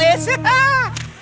ini pasinya tadi bang